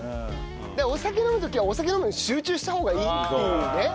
お酒飲む時はお酒飲むのに集中した方がいいっていうね。